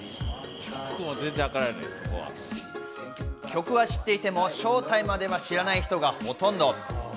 曲は知っていても正体までは知らない人がほとんど。